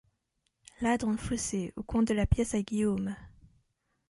Là, dans le fossé, au coin de la pièce à Guillaume.